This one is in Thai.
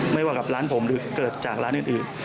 ไม่ว่ากับร้านผมหรือเกิดจากร้านอื่น